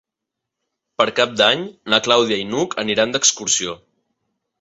Per Cap d'Any na Clàudia i n'Hug aniran d'excursió.